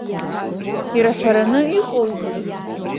Ирҳәараны иҟоузеи?!